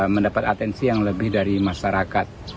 mendapat atensi yang lebih dari masyarakat